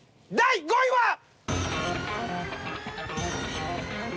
第５位は。